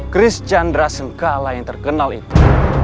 chris chandra sengkala yang terkenal itu